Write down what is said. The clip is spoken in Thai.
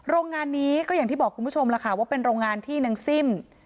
โรงงานนี้ก็อย่างที่บอกคุณผู้ชมล่ะค่ะว่าเป็นโรงงานที่นางซิ่ม